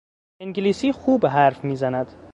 انگلیسی خوب حرف میزند.